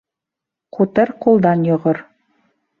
Ҡутыр ҡулдан йоғор.